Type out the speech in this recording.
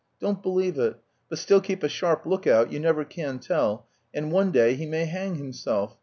Don't believe it; but still keep a sharp look out, you never can tell, and one day he may hang himself.